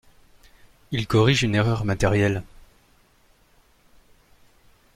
Il corrige une erreur matérielle.